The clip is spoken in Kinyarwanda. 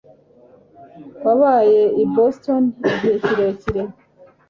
wabaye i boston igihe kirekire